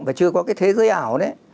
và chưa có cái thế giới ảo